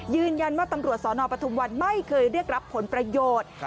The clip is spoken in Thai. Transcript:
ยืนยันว่าตำรวจสนปทุมวันไม่เคยเรียกรับผลประโยชน์